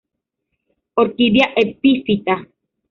Orquídea epífita.